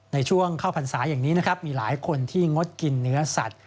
ในช่วงเข้าพรรษาอย่างนี้นะครับมีหลายคนที่งดกินเนื้อสัตว